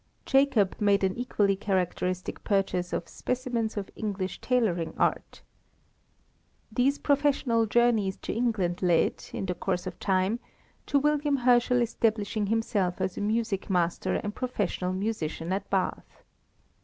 Jacob made an equally characteristic purchase of specimens of English tailoring art. These professional journeys to England led, in the course of time, to William Herschel establishing himself as a music master and professional musician at Bath.